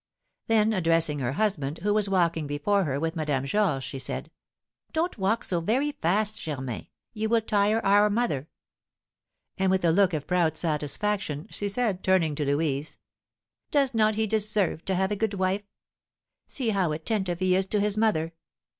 Then addressing her husband, who was walking before her with Madame Georges, she said, "Don't walk so very fast, Germain, you will tire our mother!" And, with a look of proud satisfaction, she said, turning to Louise, "Does not he deserve to have a good wife? See how attentive he is to his mother!